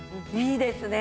いいですね